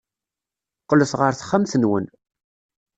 Qqlet ɣer texxamt-nwen.